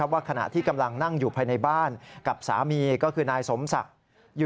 ว่าขณะที่กำลังนั่งอยู่ภายในบ้านกับสามีก็คือนายสมศักดิ์